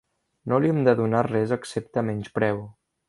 No li hem de donar res excepte menyspreu.